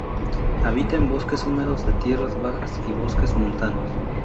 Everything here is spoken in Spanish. Habita en bosques húmedos de tierras bajas y bosques montanos.